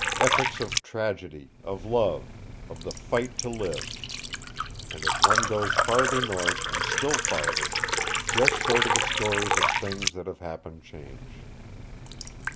Epics of tragedy, of love, of the fight to live! And as one goes farther north, and still farther, just so do the stories of things that have happened change.